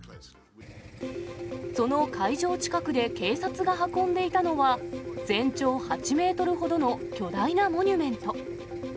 その会場近くで、警察が運んでいたのは、全長８メートルほどの巨大なモニュメント。